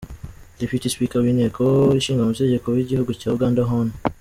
Deputy Speaker w’inteko ishinga amategeko w’igihugu cya Uganda Hon.